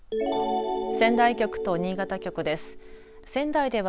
仙台局と新潟局です。